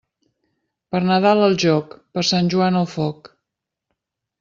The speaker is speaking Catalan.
Per Nadal al joc, per Sant Joan al foc.